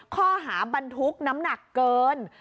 ข้อหาบรรทุกน้ำหนักเกิน